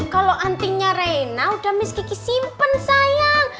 kalau antingnya reyna udah miss kiki simpen sayang